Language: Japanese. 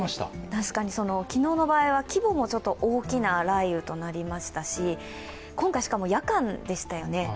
確かに昨日の場合は規模も大きな雷雨となりましたし、今回、しかも夜間でしたよね。